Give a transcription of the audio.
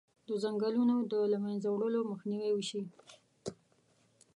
د ځنګلونو د له منځه وړلو مخنیوی وشي.